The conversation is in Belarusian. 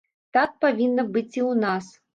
Так павінна быць і ў нас.